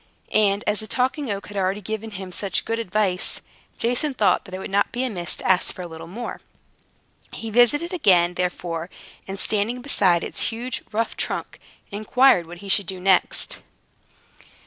And, as the Talking Oak had already given him such good advice, Jason thought that it would not be amiss to ask for a little more. He visited it again, therefore, and standing beside its huge, rough trunk, inquired what he should do next.